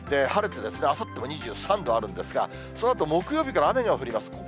晴れて、あさっても２３度あるんですが、そのあと、木曜日から雨が降ります。